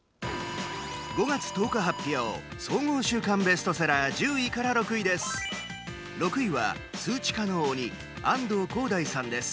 ５月１０日発表総合週間ベストセラー１０位から６位です。